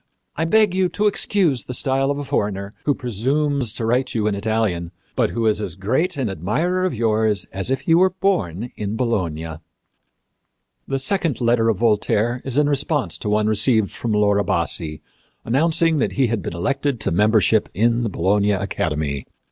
I beg you to excuse the style of a foreigner who presumes to write you in Italian, but who is as great an admirer of yours as if he were born in Bologna." The second letter of Voltaire is in response to one received from Laura Bassi announcing that he had been elected to membership in the Bologna Academy.